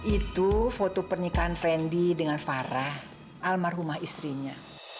itu foto pernikahan fendi dengan farah almarhumah istrinya